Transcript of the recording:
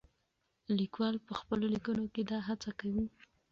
لیکوال په خپلو لیکنو کې دا هڅه کوي.